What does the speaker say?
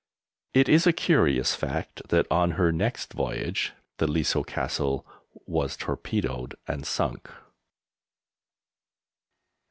It is a curious fact that on her next voyage the Leasoe Castle was torpedoed and sunk.